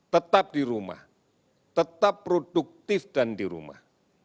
tetap di rumah tetap produktif dan di rumah